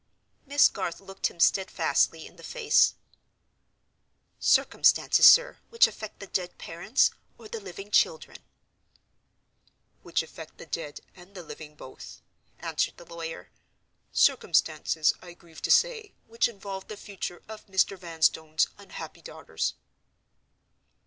Miss Garth looked him steadfastly in the face. "Circumstances, sir, which affect the dead parents, or the living children?" "Which affect the dead and the living both," answered the lawyer. "Circumstances, I grieve to say, which involve the future of Mr. Vanstone's unhappy daughters."